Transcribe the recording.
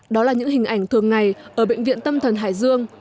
đó là những hình ảnh thường ngày ở bệnh viện tâm thần hải dương